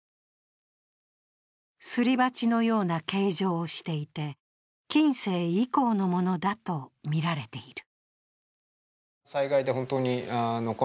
すり鉢のような形状をしていて、近世以降のものだとみられている。